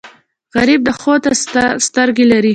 غریب د ښو ته سترګې لري